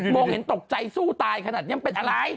โมงเห็นตกใจสู้ตายขนาดนี้มันเป็นอะไร